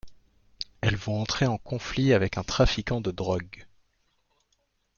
Elles vont entrer en conflit avec un trafiquant de drogue.